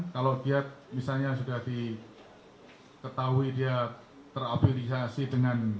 kalau dia misalnya sudah diketahui dia ter opinisasi dengan